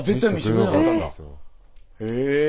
へえ。